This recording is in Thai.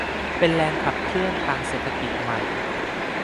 เป็นแรงขับเคลื่อนทางเศรษฐกิจใหม่